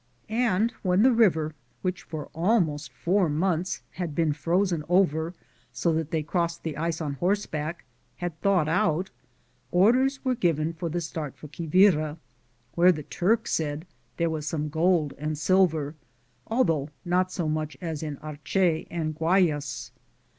And when the river, which for almost four months had been frozen over so that they crossed the ice on horseback, had thawed out, orders were given for the start for Quivira, where the Turk said there was some gold and silver, although not so much as in Arche and the Guaes.